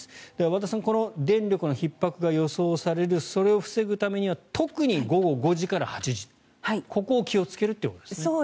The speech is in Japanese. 和田さん電力のひっ迫が予想されるそれを防ぐためには特に午後５時から８時ここを気をつけるってことですね。